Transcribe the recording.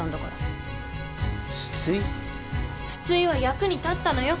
津々井は役に立ったのよ。